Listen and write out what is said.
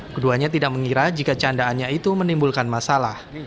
keduanya tidak mengira jika candaannya itu menimbulkan masalah